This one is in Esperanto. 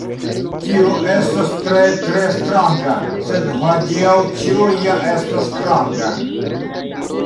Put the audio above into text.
Tio estos tre, tre stranga, sed hodiaŭ ĉio ja estas stranga.”